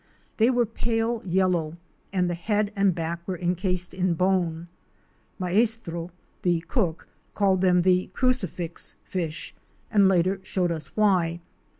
They were pale yellow, and the head and back were encased in bone; Maestro —the cook — called them the crucifix fish, and later showed us why.